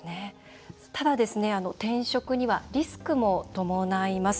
ただ、転職にはリスクも伴います。